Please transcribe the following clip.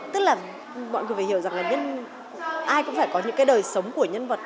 tức là mọi người phải hiểu rằng là ai cũng phải có những cái đời sống của nhân vật